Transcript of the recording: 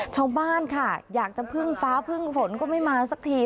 ชาวบ้านค่ะอยากจะพึ่งฟ้าพึ่งฝนก็ไม่มาสักที